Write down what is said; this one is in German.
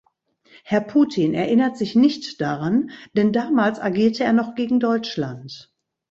Herr Putin erinnert sich nicht daran, denn damals agierte er noch gegen Deutschland.